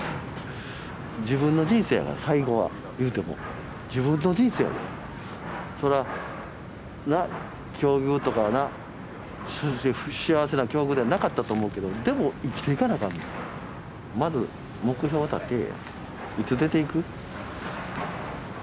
自分の人生やから最後は言うても自分の人生やでそらな境遇とかな正直幸せな境遇ではなかったと思うけどでも生きていかなあかんねんまず目標を立てえやいつ出て行く？